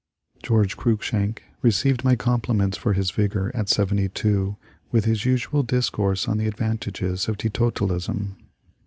George Cruikshank received my compliments for his vigour at seventy two with his usual discourse on the advantages of teetotalism.